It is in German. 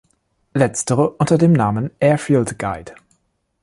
Letztere unter dem Namen Airfield Guide.